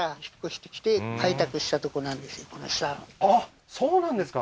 あっそうなんですか